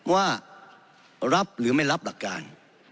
ว่ารับหรือไม่รับหลักการ